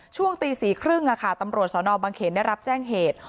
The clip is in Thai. ช่วงตี๔๓๐ตำรวจสนบังเขนได้รับแจ้งเหตุ